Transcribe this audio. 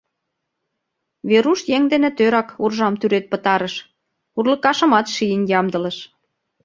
Веруш еҥ дене тӧрак уржам тӱред пытарыш, урлыкашымат шийын ямдылыш.